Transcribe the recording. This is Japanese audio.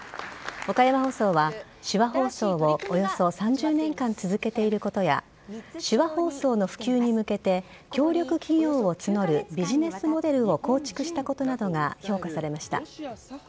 岡山放送は手話放送をおよそ３０年間続けていることや手話放送の普及に向けて協力企業を募るビジネスモデルを構築したことなどが評価されました。